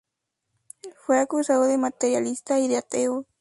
Fue acusado de materialista y de ateo.